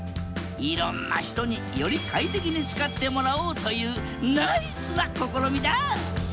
いろんな人により快適に使ってもらおうというナイスな試みだ！